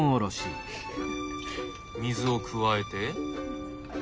水を加えて？